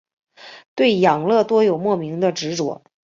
对养乐多有莫名的执着。